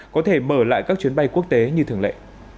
có thể mở lại các chuyến bay quốc tế như thường lệ